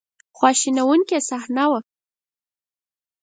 خواشینونکې صحنه وه.